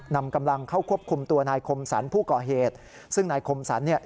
นำกำลังเข้าควบคุมตัวนายคมสรรผู้ก่อเหตุซึ่งนายคมสรรเนี่ย